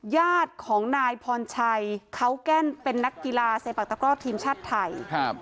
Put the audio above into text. ญาติของนายพรชัยเขาแกนเป็นนักกีฬาเซปักตะกร่อทีมชาติไทยครับ